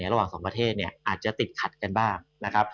ระหว่างสองประเทศอาจจะติดขัดบ้าง